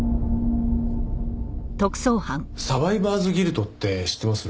サバイバーズギルトって知ってます？